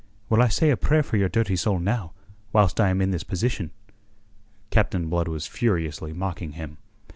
"Will I say a prayer for your dirty soul now, whilst I am in this position?" Captain Blood was furiously mocking him.